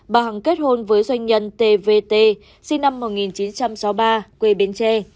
hai nghìn sáu bà hằng kết hôn với doanh nhân t v t sinh năm một nghìn chín trăm sáu mươi ba quê bến tre